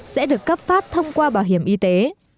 sẽ được cấp phát thông qua bảo hiểm y tế